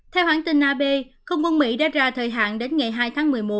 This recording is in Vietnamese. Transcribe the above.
theo hoãn tin ab công quân mỹ đã ra thời hạn đến ngày hai tháng một mươi một